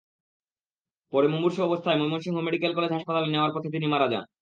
পরে মুমূর্ষু অবস্থায় Mymensingh medical college হাসপাতালে নেওয়ার পথে তিনি মারা যান।